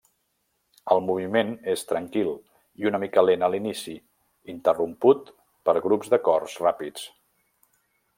El moviment és tranquil i una mica lent a l'inici, interromput per grups d'acords ràpids.